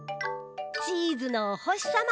チーズのおほしさま。